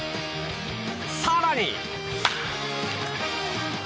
更に。